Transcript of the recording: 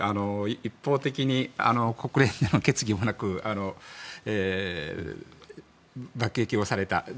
一方的に国連での決議もなく爆撃もされた。